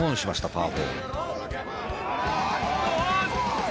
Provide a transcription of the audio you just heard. パー４。